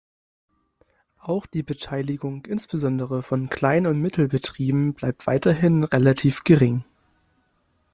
Auch die Beteiligung insbesondere von Klein- und Mittelbetrieben bleibt weiterhin relativ gering.